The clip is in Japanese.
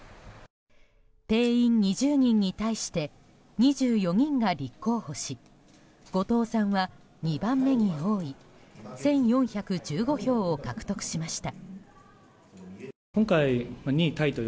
定員２０人に対して２４人が立候補し後藤さんは２番目に多い１４１５票を獲得しました。